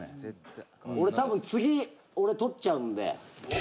俺多分次俺とっちゃうんで。